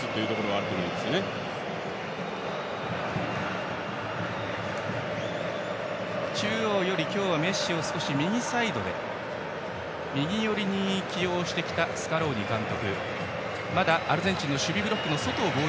今日は中央よりメッシを少し右サイドで右寄りに起用してきたスカローニ監督。